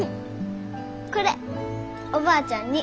これおばあちゃんに。